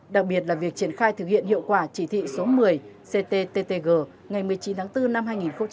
đặc biệt là việc triển khai thực hiện hiệu quả chỉ thị số một mươi cttg ngày một mươi chín tháng bốn năm hai nghìn hai mươi